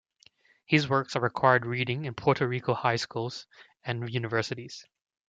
His works are required reading in Puerto Rican high schools and universities.